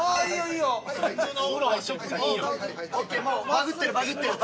バグってるバグってる。